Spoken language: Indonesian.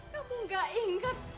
kamu gak inget